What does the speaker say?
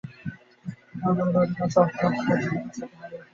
এই কারণে আমাদের মধ্যে অধিকাংশই অন্তর্যন্ত্রের পর্যবেক্ষণশক্তি হারাইয়া ফেলিয়াছি।